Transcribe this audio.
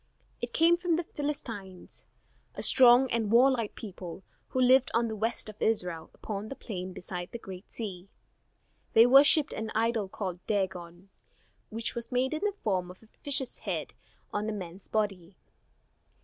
It came from the Philistines, a strong and warlike people who lived on the west of Israel upon the plain beside the Great Sea. They worshipped an idol called Dagon, which was made in the form of a fish's head on a man's body.